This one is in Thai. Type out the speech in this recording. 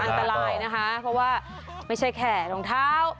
อันตรายนะคะเพราะว่าไม่ใช่แค่รองเท้า